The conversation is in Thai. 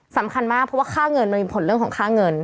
สำคัญมากเพราะว่าค่าเงินมันมีผลเรื่องของค่าเงิน